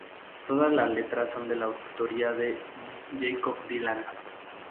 Todas las letras son de la autoría de Jakob Dylan.